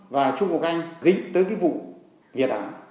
và trung quốc anh dính tới cái vụ việt á